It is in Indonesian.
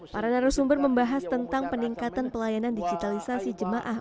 para narasumber membahas tentang peningkatan pelayanan digitalisasi jemaah